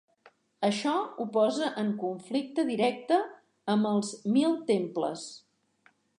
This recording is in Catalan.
Això ho posa en conflicte directe amb els Mil Temples.